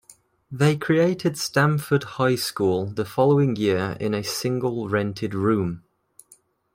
They created Stamford High School the following year in a single rented room.